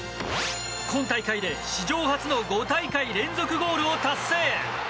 今大会で、史上初の５大会連続ゴールを達成。